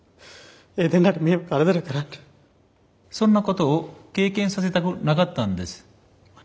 そんなことを経験させたくなかったんです。